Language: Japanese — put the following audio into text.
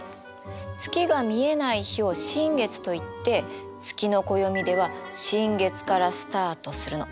月が見えない日を新月といって月の暦では新月からスタートするの。